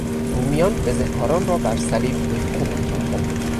رومیان بزهکاران را بر صلیب میخکوب میکردند.